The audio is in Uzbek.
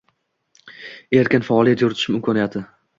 erkin faoliyat yuritish imkoniyati